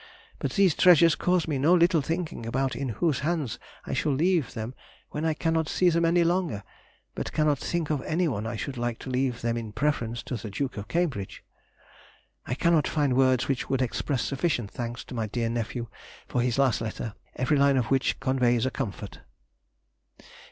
But these treasures cause me no little thinking about in whose hands I shall leave them when I cannot see them any longer, but cannot think of anyone I should like to leave them in preference to the Duke of Cambridge. I cannot find words which would express sufficient thanks to my dear nephew for his last letter, every line of which conveys a comfort.